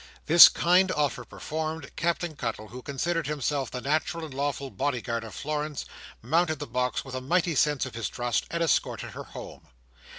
This kind office performed, Captain Cuttle, who considered himself the natural and lawful body guard of Florence, mounted the box with a mighty sense of his trust, and escorted her home.